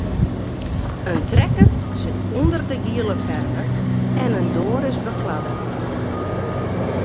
In trekker sit ûnder de giele ferve en in doar is bekladde.